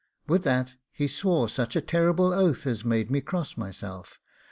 With that he swore such a terrible oath as made me cross myself.